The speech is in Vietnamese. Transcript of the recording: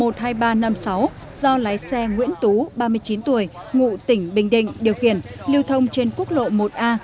do lái xe nguyễn tú ba mươi chín tuổi ngụ tỉnh bình định điều khiển lưu thông trên quốc lộ một a